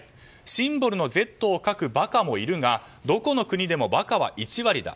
シンボルのＺを書く馬鹿もいるがどこの国でも馬鹿は１割だ。